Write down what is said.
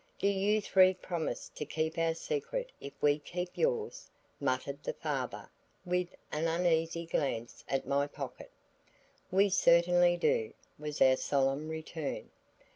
"Do you three promise to keep our secret if we keep yours?" muttered the father with an uneasy glance at my pocket. "We certainly do," was our solemn return.